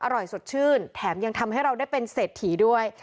อร่อยสดชื่นแถมยังทำให้เราได้เป็นเศรษฐีด้วย